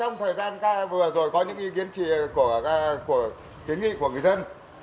trong thời gian vừa rồi có những ý kiến của kiến nghị của người dân